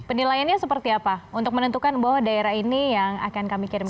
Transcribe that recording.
penilaiannya seperti apa untuk menentukan bahwa daerah ini yang akan kami kirimkan